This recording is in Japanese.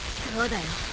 そうだよ！